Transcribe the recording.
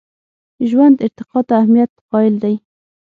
ژوند ارتقا ته اهمیت قایل دی.